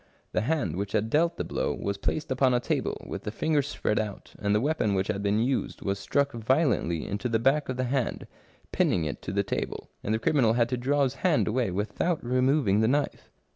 The hand which had dealt the blow was placed upon a table with the fingers spread out, and the weapon which had been used was struck violently into the back of the hand, pinning it to the table, and the criminal had to draw his hand away without removing the knife.